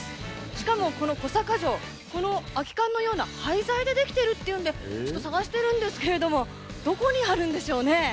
しかもこの小阪城、この空き缶のような廃材で出来てるっていうんで、ちょっと探してるんですけども、どこにあるんでしょうね。